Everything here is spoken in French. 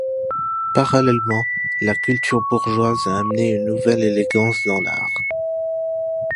Parallèlement, la culture bourgeoise a amené une nouvelle élégance dans l'art.